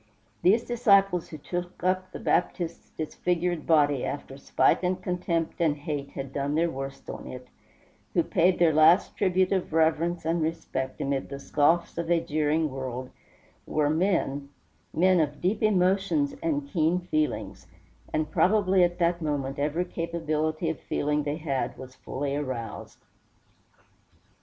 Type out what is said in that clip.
These disciples who took up the Baptist's disfigured body after spite and contempt and hate had done their worst on it, who paid their last tribute of reverence and respect amid the scoffs of a jeering world, were men men of deep emotions and keen feelings; and probably at that moment every capability of feeling they had was fully aroused.